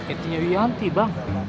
intinya yanti bang